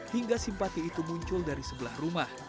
hingga simpati itu muncul dari sebelah rumah